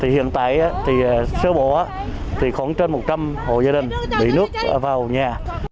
hiện tại sơ bộ khoảng trên một trăm linh hộ gia đình bị nước vào nhà